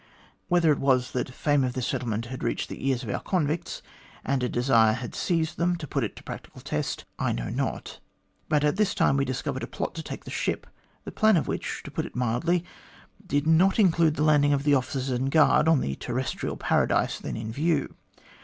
Whether it was that the fame of this settlement had reached the ears of our convicts, and a desire had seized them to put it to practical test, I know not \ but at this time we discovered a plot to take the ship, the plan of which, to put it mildly, did not include the landing of the officers and guard on the terrestrial paradise then in view.